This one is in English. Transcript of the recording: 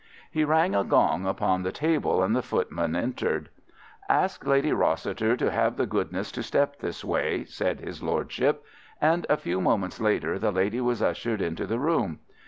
He rang a gong upon the table, and the footman entered. "Ask Lady Rossiter to have the goodness to step this way," said his lordship, and a few moments later the lady was ushered into the room.